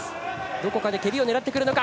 どこかで蹴りを狙ってくるのか。